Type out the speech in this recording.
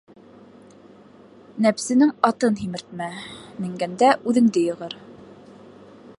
Нәпсенең атын һимертмә, менгәндә үҙеңде йығыр.